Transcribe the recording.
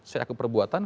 saya akui perbuatan